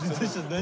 何？